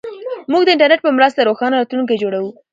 موږ د انټرنیټ په مرسته روښانه راتلونکی جوړوو.